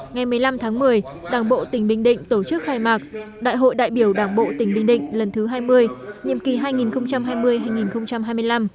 ngày một mươi năm tháng một mươi đảng bộ tỉnh bình định tổ chức khai mạc đại hội đại biểu đảng bộ tỉnh bình định lần thứ hai mươi nhiệm kỳ hai nghìn hai mươi hai nghìn hai mươi năm